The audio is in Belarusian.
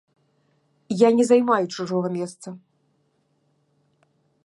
Я не займаю чужога месца.